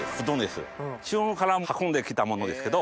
中国から運んできたものですけど。